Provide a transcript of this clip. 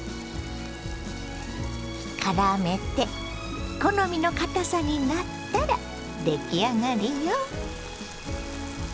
からめて好みのかたさになったら出来上がりよ。